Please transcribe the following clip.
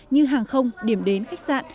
như hàng không điểm đến khách sạn